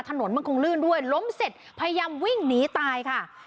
ถนนมันคงลื่นด้วยล้มเสร็จพยายามวิ่งหนีตายค่ะ